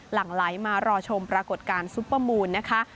หลังไหลมารอชมปรากฏการณ์ซุปเปอร์มูลนะคะ